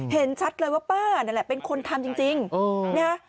เห็นชัดเลยว่าป้านั่นแหละเป็นคนทำจริงนะฮะ